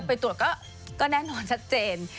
ไปตรวจก็แน่นอนชัดเจน